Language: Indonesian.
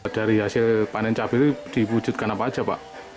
dari hasil panen cabai itu diwujudkan apa saja pak